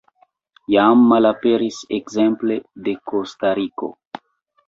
Jam malaperis ekzemple de Kostariko.